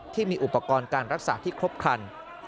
ที่มีอุปกรณ์การรักษาที่ครบครัน